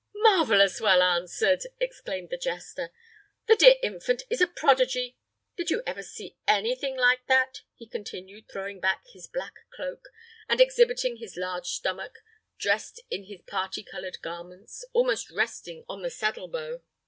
"Marvelous well answered!" exclaimed the jester. "The dear infant is a prodigy! Did you ever see any thing like that?" he continued, throwing back his black cloak, and exhibiting his large stomach, dressed in his party colored garments, almost resting on the saddle bow.